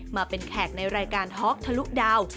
มาเป็นแขกในรายการท็อกทะลุดาว